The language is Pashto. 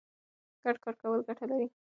ګډ کار کول ګټه لري.